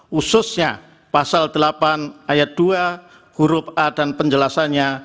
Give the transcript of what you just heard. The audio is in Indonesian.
khususnya pasal delapan ayat dua huruf a dan penjelasannya